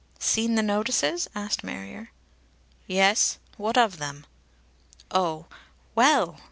"Seen the notices?" asked Marrier. "Yes. What of them?" "Oh! Well!"